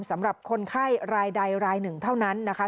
สำหรับคนไข้รายใดรายหนึ่งเท่านั้นนะคะ